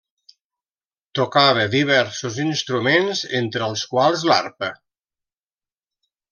Tocava diversos instruments, entre els quals l'arpa.